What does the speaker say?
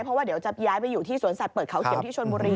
เพราะว่าเดี๋ยวจะย้ายไปอยู่ที่สวนสัตว์เปิดเขาเขียวที่ชนบุรี